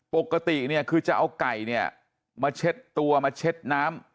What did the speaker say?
ปกติเนี่ยคือจะเอาไก่เนี่ยมาเช็ดตัวมาเช็ดน้ำ